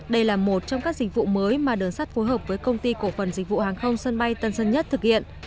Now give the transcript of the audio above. đây là một trong các dịch vụ mới mà đường sắt phối hợp với công ty cổ phần dịch vụ hàng không sân bay tân sơn nhất thực hiện